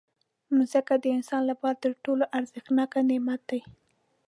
مځکه د انسان لپاره تر ټولو ارزښتناک نعمت دی.